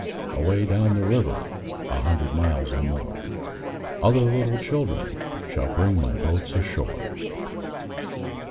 Away down the river, A hundred miles or more, Other little children Shall bring my boats ashore.